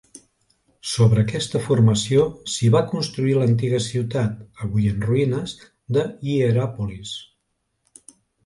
Sobre d'aquesta formació s'hi va construir l'antiga ciutat, avui en ruïnes, de Hieràpolis.